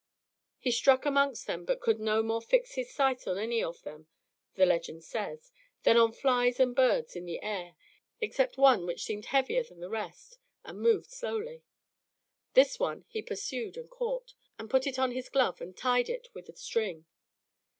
He struck among them, but could no more fix his sight on any of them, the legend says, than on flies and birds in the air, except one which seemed heavier than the rest, and moved slowly. This one he pursued and caught, put it in his glove and tied it with a string.